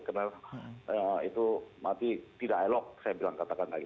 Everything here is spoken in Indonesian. karena itu berarti tidak elok saya bilang katakan kali